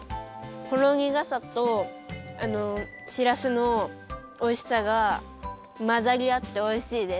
ほろにがさとあのしらすのおいしさがまざりあっておいしいです。